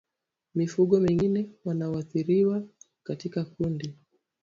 Mifugo wengine wanaoathiriwa katika kundi